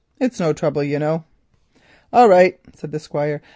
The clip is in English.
It's no trouble, you know." "All right," said the Squire.